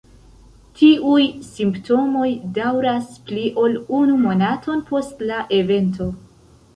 Tiuj simptomoj daŭras pli ol unu monaton post la evento.